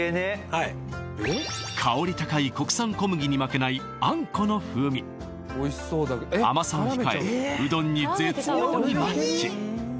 香り高い国産小麦に負けないあんこの風味甘さを控えうどんに絶妙にマッチ